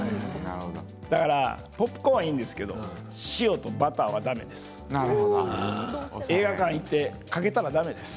だからポップコーンはいいんですけど塩とバターは、だめです。